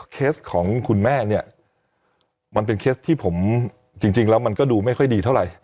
เคสของคุณแม่เนี่ยมันเป็นเคสที่ผมจริงแล้วมันก็ดูไม่ค่อยดีเท่าไหร่